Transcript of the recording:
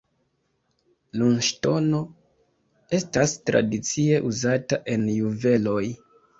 Lunŝtono estas tradicie uzata en juveloj.